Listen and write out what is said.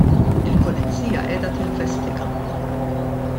Il-pulizija qiegħda tinvestiga.